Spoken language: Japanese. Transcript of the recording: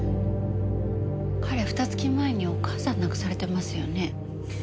彼ふた月前にお母さん亡くされてますよね？